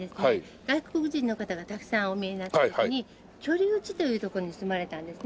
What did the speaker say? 外国人の方がたくさんお見えになった時に居留地というとこに住まわれたんですね。